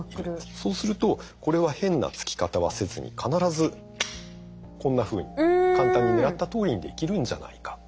そうするとこれは変なつき方はせずに必ずこんなふうに簡単に狙ったとおりにできるんじゃないかと。